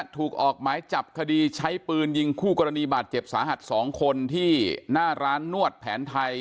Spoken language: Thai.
ถูกออกหมายจับคดีใช้ปืนยิงคู่กรณีบาดเจ็บสาหัส๒คนที่หน้าร้านนวดแผนไทย